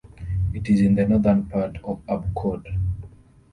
It is in the northern part of Abcoude.